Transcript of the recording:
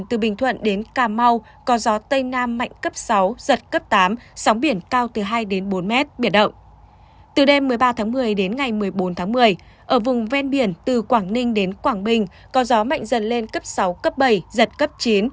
từ đêm một mươi ba tháng một mươi đến ngày một mươi bốn tháng một mươi ở vùng ven biển từ quảng ninh đến quảng bình có gió mạnh dần lên cấp sáu cấp bảy giật cấp chín